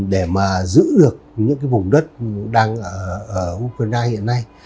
để mà giữ được những cái vùng đất đang ở ukraine hiện nay